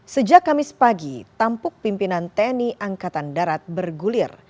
sejak kamis pagi tampuk pimpinan tni angkatan darat bergulir